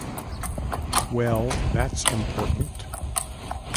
Well, that’s important.